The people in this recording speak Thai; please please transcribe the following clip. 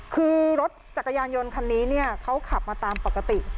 คือรถจักรยานยนต์คันนี้เนี่ยเขาขับมาตามปกติ